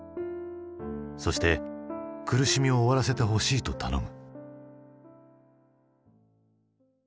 そして苦しみを終わらせてほしいと頼む。